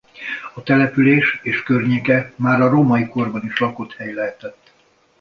A település és környéke már a római korban is lakott hely lehetett.